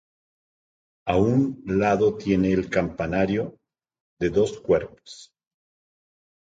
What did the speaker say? A un lado tiene el campanario, de dos cuerpos.